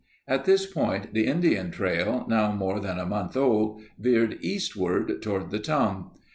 At this point the Indian trail, now more than a month old, veered eastward toward the Tongue.